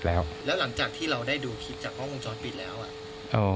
แล้วหลังจากที่เราได้ดูคลิปจากห้องมุมจรปิดแล้ว